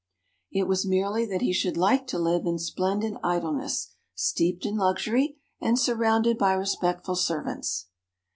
It was merely that he should like to live in splendid idleness, steeped in luxury, and surrounded by respectful servants.